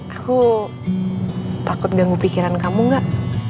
aku takut ganggu pikiran kamu gak